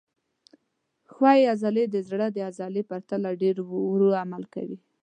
ښویې عضلې د زړه د عضلې په پرتله ډېر ورو عمل کوي.